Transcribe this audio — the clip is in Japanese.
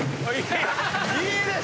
いいですね。